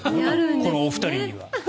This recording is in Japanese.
このお二人には。